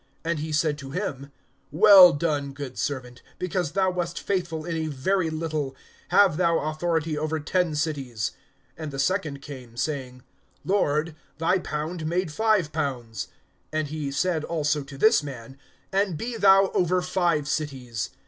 (17)And he said to him: Well done, good servant; because thou wast faithful in a very little, have thou authority over ten cities. (18)And the second came, saying: Lord, thy pound made five pounds. (19)And he said also to this man: And be thou over five cities.